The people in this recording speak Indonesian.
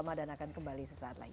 ramadan akan kembali sesaat lagi